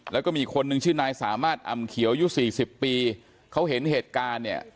แล้วก็มีคนหนึ่งชื่อนายสามารถอำเขียวยุสี่สิบปีเขาเห็นเหตุการณ์เนี่ย